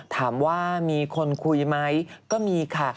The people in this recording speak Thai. ถามว่ามีคนคุยไหมก็มีค่ะ